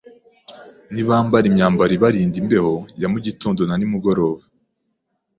Nibambara imyambaro ibarinda imbeho ya mugitondo na nimugoroba,